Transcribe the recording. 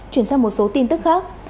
chuyển sang một số tin tức khác